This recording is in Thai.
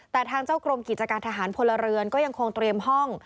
แต่ทางเจ้ากรมกิจการทหารพลเรือนก็ยังคงเตรียมห้อง